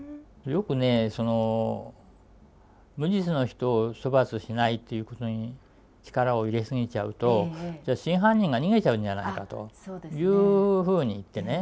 よくね無実の人を処罰しないということに力を入れすぎちゃうと真犯人が逃げちゃうんじゃないかというふうに言ってね